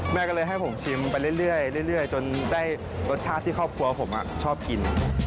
แม่ก็เลยให้ผมชิมไปเรื่อยจนได้รสชาติที่ครอบครัวผมชอบกิน